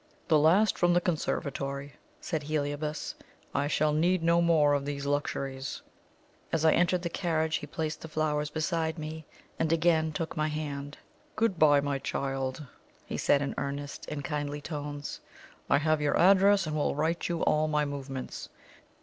"The last from the conservatory," said Heliobas. "I shall need no more of these luxuries." As I entered the carriage he placed the flowers beside me, and again took my hand. "Good bye, my child!" he said, in earnest and kindly tones. "I have your address, and will write you all my movements.